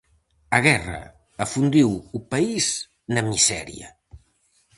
A guerra afundiu o país na miseria.